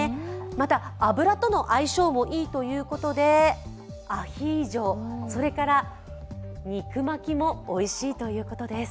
また、油との相性もいいということで、アヒージョ、それから肉巻きもおいしいということです。